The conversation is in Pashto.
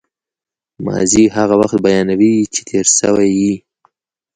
ماضي هغه وخت بیانوي، چي تېر سوی يي.